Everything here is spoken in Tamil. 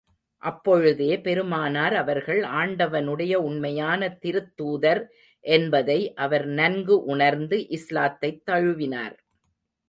அப்பொழுதே, பெருமானார் அவர்கள் ஆண்டவனுடைய உண்மையான திருத்தூதர் என்பதை அவர் நன்கு உணர்ந்து, இஸ்லாத்தைத் தழுவினார்.